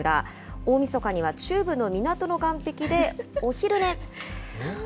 大みそかには中部の港の岸壁でお昼寝。